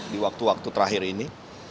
di waktu waktu terakhir ini